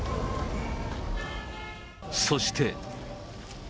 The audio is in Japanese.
そして。